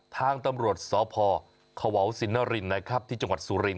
ทางตำรวจสพขวาวสินนรินนะครับที่จังหวัดสุรินท